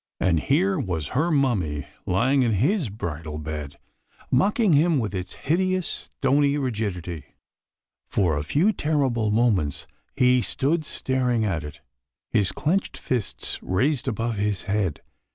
And here was her mummy lying in his bridal bed, mocking him with its hideous, stony rigidity. For a few terrible moments he stood staring at it, his clenched fists raised above his head.